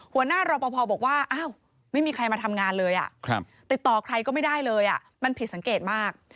รอปภบอกว่าอ้าวไม่มีใครมาทำงานเลยติดต่อใครก็ไม่ได้เลยมันผิดสังเกตมาก